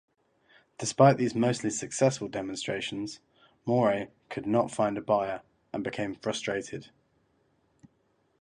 Despite these mostly successful demonstrations, Morey could not find a buyer, and became frustrated.